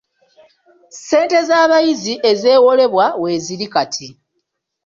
Ssente z'abayizi ezeewolebwa weeziri kati.